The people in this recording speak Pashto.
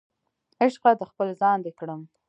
عشقه د خپل ځان دې کړم